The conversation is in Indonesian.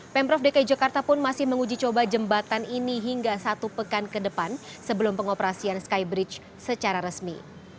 pemprov dki jakarta pun masih menguji coba jembatan ini hingga satu pekan ke depan sebelum pengoperasian skybridge secara resmi